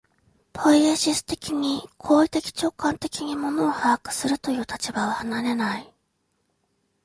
ポイエシス的に、行為的直観的に物を把握するという立場を離れない。